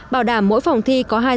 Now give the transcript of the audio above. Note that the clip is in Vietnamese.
bảo đảm mỗi phòng thi có hai thí sinh